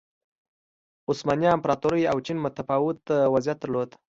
عثماني امپراتورۍ او چین متفاوت وضعیت درلود.